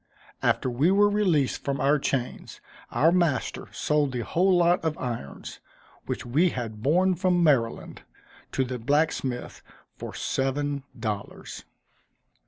After we were released from our chains, our master sold the whole lot of irons, which we had borne from Maryland, to the blacksmith, for seven dollars.